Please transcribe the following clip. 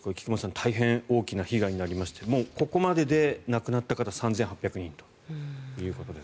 大変大きな被害になりましてもうここまでで亡くなった方は３８００人ということです。